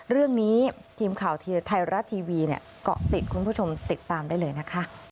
ทีมข่าวไทยรัฐทีวีเกาะติดคุณผู้ชมติดตามได้เลยนะคะ